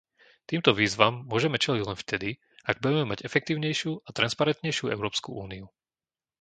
Týmto výzvam môžeme čeliť len vtedy, ak budeme mať efektívnejšiu a transparentnejšiu Európsku úniu.